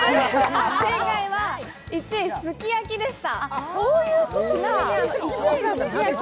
正解は１位、すき焼きでした。